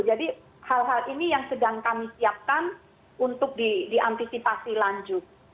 jadi hal hal ini yang sedang kami siapkan untuk diantisipasi lanjut